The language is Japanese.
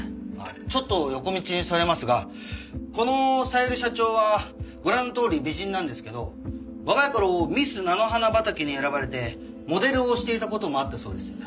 ちょっと横道にそれますがこの小百合社長はご覧のとおり美人なんですけど若い頃ミス菜の花畑に選ばれてモデルをしていた事もあったそうです。